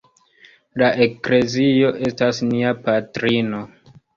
La Eklezio estas nia patrino.